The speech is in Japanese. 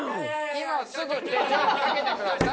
今すぐ手錠をかけてください。